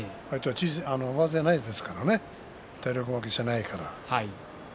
上背がないですからね体力負けしないから。